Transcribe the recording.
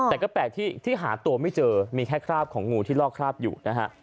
แต่ก็แปลกที่หาตัวไม่เจอมีแค่คราบของงูที่ลอกคราบอยู่นะฮะ